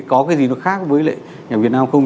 có cái gì nó khác với lại nhà việt nam không